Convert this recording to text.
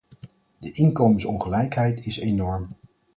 De inkomensongelijkheid is enorm.